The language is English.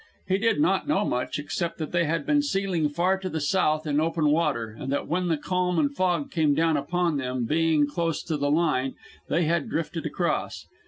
He did not know much, except that they had been sealing far to the south in open water, and that when the calm and fog came down upon them, being close to the line, they had drifted across.